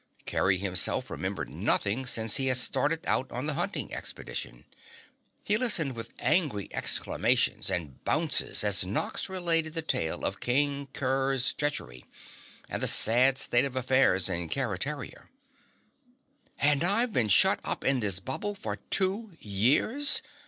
Kerry himself remembered nothing since he had started out on the hunting expedition. He listened with angry exclamations and bounces as Nox related the tale of King Kerr's treachery and the sad state of affairs in Keretaria. "And I've been shut up in this bubble for two years!"